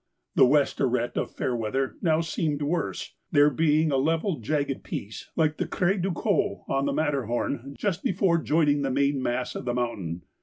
The west arête of Fairweather now seemed worse, there being a level jagged piece like the 'Crête du Coq' on the Matterhorn just before joining the main mass of the mountain.